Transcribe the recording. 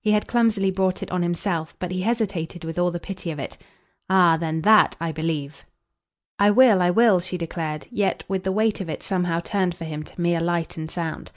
He had clumsily brought it on himself, but he hesitated with all the pity of it. "Ah then THAT I believe." "I will, I will," she declared; yet with the weight of it somehow turned for him to mere light and sound.